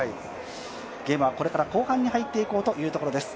ゲームはこれから後半に入っていこうというところです。